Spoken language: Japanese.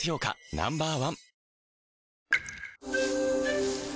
Ｎｏ．１